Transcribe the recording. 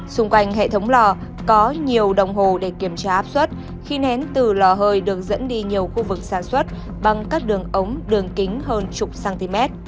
xung quanh hệ thống lò có nhiều đồng hồ để kiểm tra áp suất khí nén từ lò hơi được dẫn đi nhiều khu vực sản xuất bằng các đường ống đường kính hơn chục cm